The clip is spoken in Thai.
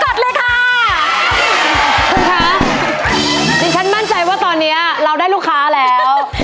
คุณคะดิฉันมั่นใจว่าตอนนี้เราได้ลูกค้าแล้ว